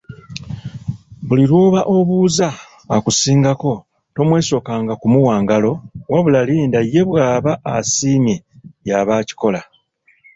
Buli lw’oba obuuza, akusingako tomwesokanga kumuwa ngalo, wabula linda ye bw’aba asiimye y’aba akikola.